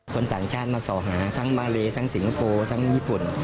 ต่างชาติมาส่อหาทั้งมาเลทั้งสิงคโปร์ทั้งญี่ปุ่น